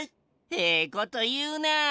ええこというなあ。